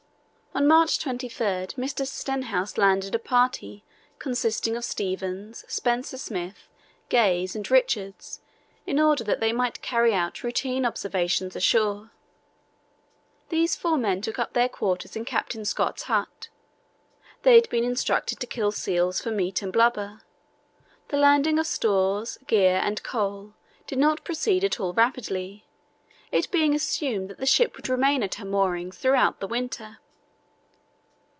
On March 23 Mr. Stenhouse landed a party consisting of Stevens, Spencer Smith, Gaze, and Richards in order that they might carry out routine observations ashore. These four men took up their quarters in Captain Scott's hut. They had been instructed to kill seals for meat and blubber. The landing of stores, gear, and coal did not proceed at all rapidly, it being assumed that the ship would remain at her moorings throughout the winter.